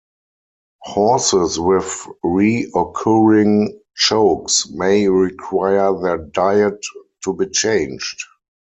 Horses with re-occurring chokes may require their diet to be changed.